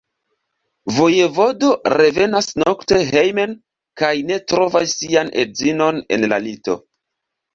Vojevodo revenas nokte hejmen kaj ne trovas sian edzinon en la lito.